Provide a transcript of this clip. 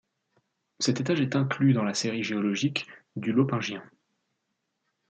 Cet étage est inclus dans la série géologique du Lopingien.